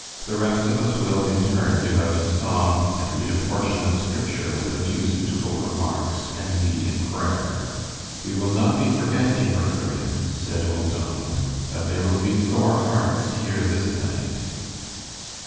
The rest of us will, in turn, give out a psalm and read a portion of Scripture with a few suitable remarks, and lead in prayer. We will not be forgetting, brethren," said old Donald, "that there will be sore hearts here this night.'